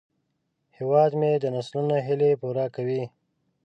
هیواد مې د نسلونو هیلې پوره کوي